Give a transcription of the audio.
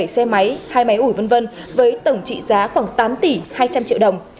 bảy xe máy hai máy ủi v v với tổng trị giá khoảng tám tỷ hai trăm linh triệu đồng